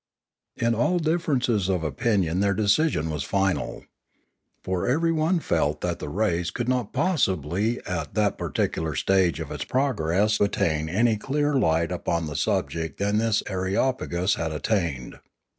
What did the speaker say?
In all differences of opinion their decision was final. For everyone felt that the race could not possibly at that particular stage of its progress attain to any clearer light upon the subject than this areopagus had attained.